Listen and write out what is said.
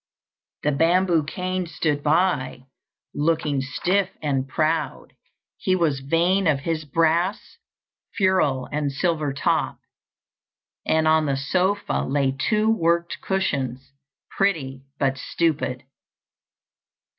The bamboo cane stood by, looking stiff and proud: he was vain of his brass ferrule and silver top, and on the sofa lay two worked cushions, pretty but stupid.